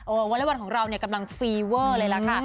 โอ้ววันวันของเรากำลังฟีเวอร์เลยแล้วค่ะ